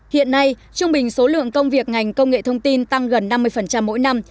hiện nay trung bình số lượng công việc ngành công nghệ thông tin tăng gần năm mươi mỗi năm